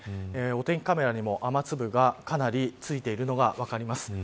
お天気カメラにも雨粒がかなりついているのが分かります。